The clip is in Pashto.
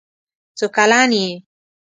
څو کلن یې؟